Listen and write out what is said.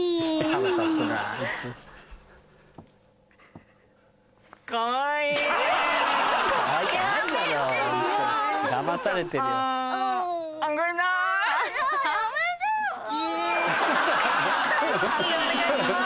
判定お願いします。